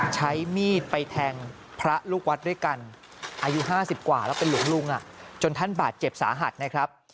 ใช้มีดไปแทงพระลูกวัดด้วยกันอายุ๕๐กว่าแล้วเป็นหลวงลุงจนท่านบาดเจ็บสาหัสนะครับ